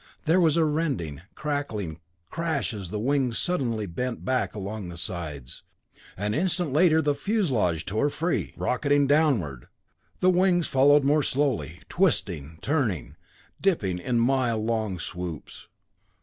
There was a rending, crackling crash as the wings suddenly bent back along the sides. An instant later the fuselage tore free, rocketing downward; the wings followed more slowly twisting, turning, dipping in mile long swoops.